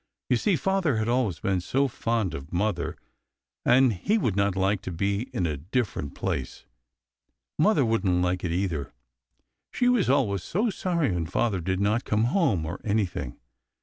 You see, father had always been so fond of mother, and he would not like to be in a different 224 AND WHO SHALL SAY ? place. Mother wouldn't like it either. She was always so sorry when father did not come home or anything.